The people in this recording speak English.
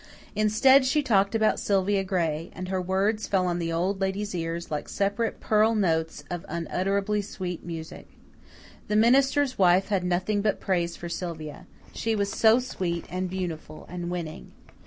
Instead, she talked about Sylvia Gray, and her words fell on the Old Lady's ears like separate pearl notes of unutterably sweet music. The minister's wife had nothing but praise for Sylvia she was so sweet and beautiful and winning.